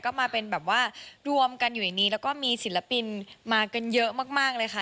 ก็มาเป็นแบบว่ารวมกันอยู่ในนี้แล้วก็มีศิลปินมากันเยอะมากเลยค่ะ